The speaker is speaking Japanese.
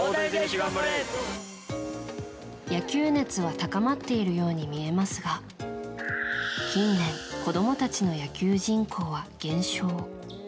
野球熱は高まっているように見えますが近年、子供たちの野球人口は減少。